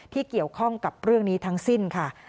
ที่เกี่ยวข้องกับเรื่องนี้ทั้งสิ้นค่ะ